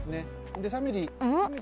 で３ミリ。